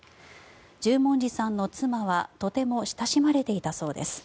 十文字さんの妻はとても親しまれていたそうです。